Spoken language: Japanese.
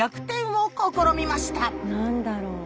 何だろう？